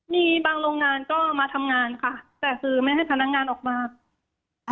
มีบางโรงงานก็มาทำงานค่ะแต่คือไม่ให้พนักงานออกมาค่ะ